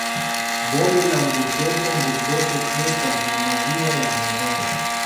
Bonde la Ngurdoto Ngurdoto Crater na maziwa ya Momella